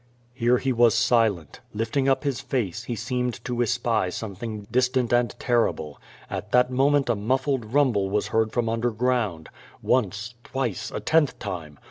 Here he was silent. Lifting up his face, he seemed to espy something distant and terrible. At that moment a muffled rumble was heard from underground. Once, twice, a tenth time.